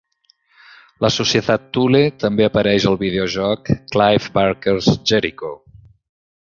La Societat Thule també apareix al videojoc "Clive Barker's Jericho".